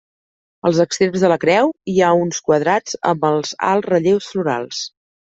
Als extrems de la creu hi ha uns quadrats amb alts relleus florals.